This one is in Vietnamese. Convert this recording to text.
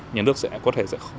nhà nước sẽ có thể